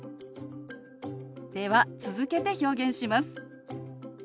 では続けて表現します。